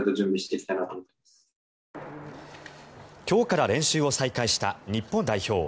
今日から練習を再開した日本代表。